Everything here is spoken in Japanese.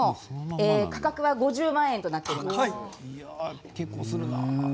価格は５０万円となっています。